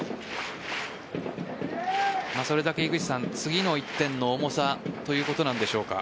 それだけ次の１点の重さということなんでしょうか。